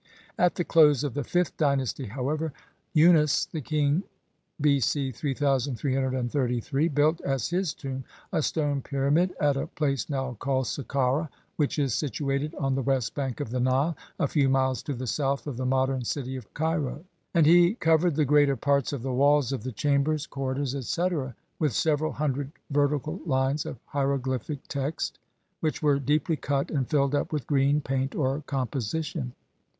At the close of the fifth dynasty, however, Unas the king (B. C. 3333) built as his tomb a stone pyramid at a place now called Sakkara, which is situated on the west bank of the Nile, a few miles to the south of the modern city of Cairo, and he covered the greater parts of the walls of the chambers, corridors, etc., with several hundred vertical lines of hieroglyphic text which were deeply cut and filled up with green paint or composition.